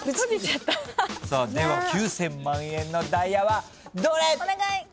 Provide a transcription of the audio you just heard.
さあでは９，０００万円のダイヤはどれ！？